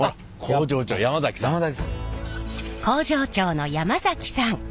工場長の山崎さん。